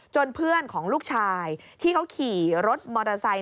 เพื่อนของลูกชายที่เขาขี่รถมอเตอร์ไซค